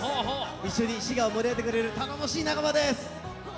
一緒に滋賀を盛り上げてくれる頼もしい仲間です。